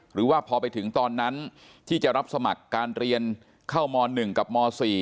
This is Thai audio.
หรือว่าพอไปถึงตอนนั้นที่จะรับสมัครการเรียนเข้าม๑กับม๔